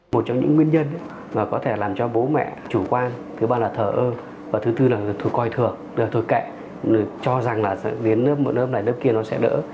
một trong những nguyên nhân mà có thể làm cho bố mẹ chủ quan thứ ba là thở ơm và thứ tư là thổi coi thừa thổi kệ cho rằng là đến lớp một lớp này lớp kia nó sẽ đỡ